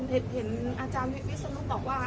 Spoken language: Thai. เห็นอาจารย์พี่วิสุนุกบอกว่า